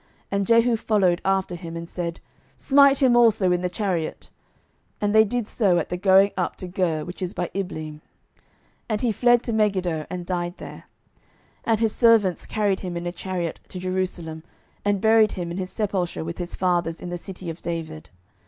And Jehu followed after him, and said, Smite him also in the chariot. And they did so at the going up to Gur, which is by Ibleam. And he fled to Megiddo, and died there. 12:009:028 And his servants carried him in a chariot to Jerusalem, and buried him in his sepulchre with his fathers in the city of David.